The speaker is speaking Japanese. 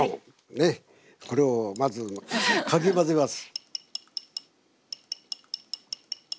これをまずかき混ぜます。